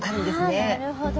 あなるほど。